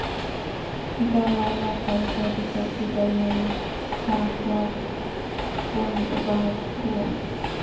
دا وینا کوونکی د شرقي جرمني چانسلر کونراډ و